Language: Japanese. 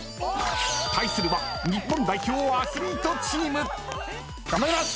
対するは日本代表アスリートチーム。